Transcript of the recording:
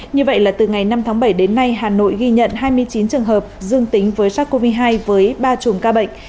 như vậy là từ ngày năm tháng bảy đến nay hà nội ghi nhận hai mươi chín trường hợp dương tính với sars cov hai với ba chùm ca bệnh